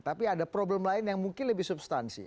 tapi ada problem lain yang mungkin lebih substansi